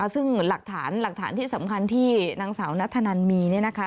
ซึ่งหลักฐานหลักฐานที่สำคัญที่นางสาวนัทธนันมีเนี่ยนะคะ